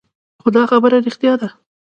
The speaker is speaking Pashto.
خو دا خبره رښتيا ده.